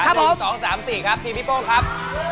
๒๓๔ครับทีมพี่โป้งครับ